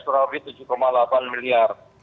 kurang lebih tujuh delapan miliar